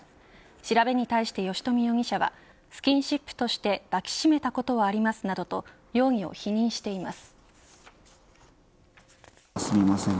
調べに対して吉冨容疑者はスキンシップとして抱き締めたことはありますなどと容疑を否認しています。